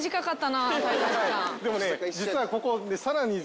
でもね実はここ。